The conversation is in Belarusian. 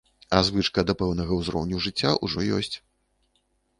А звычка да пэўнага ўзроўню жыцця ўжо ёсць.